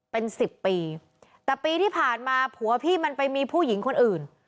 เป็นสิบปีแต่ปีที่ผ่านมาผัวพี่มันไปมีผู้หญิงคนอื่น